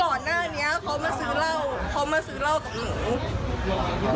ก่อนหน้านี้เขามาซื้อเหล้าเขามาซื้อเหล้ากับหนู